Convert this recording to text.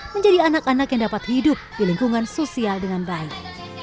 menjadi anak anak yang dapat hidup di lingkungan sosial dengan baik